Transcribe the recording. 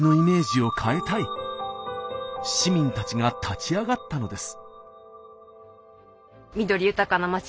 市民たちが立ち上がったのです。